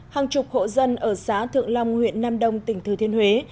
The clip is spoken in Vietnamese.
hàng chục hộ dân ở xã thượng long huyện nam đông tỉnh thừa thiên huế